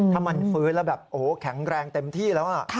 ถ้ามันฟื้นแล้วแบบโอ้โหแข็งแรงเต็มที่แล้ว